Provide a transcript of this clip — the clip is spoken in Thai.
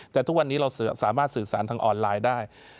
แต่ทุกวันนี้เราสามารถสื่อสารทางออนไลน์ได้